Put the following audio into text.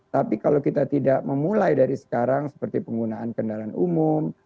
tapi kalau kita tidak memulai dari sekarang seperti penggunaan kendaraan umum